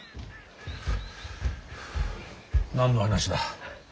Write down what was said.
何の話だ。